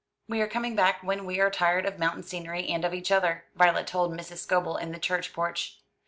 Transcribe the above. "We are coming back when we are tired of mountain scenery and of each other," Violet told Mrs. Scobel in the church porch.